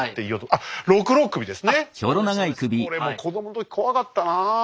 これも子供の時怖かったなあ。